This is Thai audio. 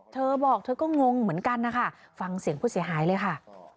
เธอบอกเธอก็งงเหมือนกันนะคะฟังเสียงผู้เสียหายเลยค่ะ